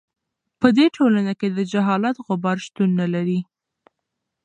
په دې ټولنه کې د جهالت غبار شتون نه لري.